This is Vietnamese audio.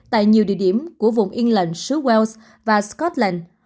tại nhiều địa điểm của vùng yên lệnh sứ wells và scotland